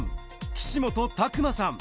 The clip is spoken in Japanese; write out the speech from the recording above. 岸本拓磨さん。